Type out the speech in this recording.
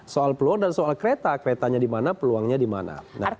soal peluang dan soal kereta keretanya di mana peluangnya di mana